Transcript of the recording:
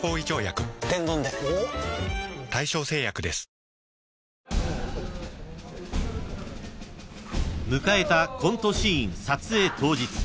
「あーん」［迎えたコントシーン撮影当日］